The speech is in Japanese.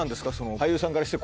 俳優さんからしてこの。